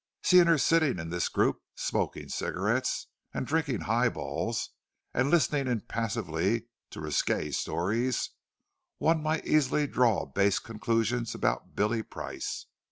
Seeing her sitting in this group, smoking cigarettes, and drinking highballs, and listening impassively to risqué stories, one might easily draw base conclusions about Billy Price.